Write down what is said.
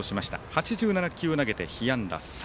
８７球を投げて、被安打３。